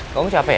kamu capek ya